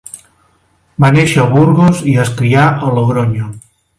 Va néixer a Burgos i es crià a Logronyo.